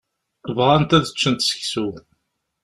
Bɣant ad ččent seksu.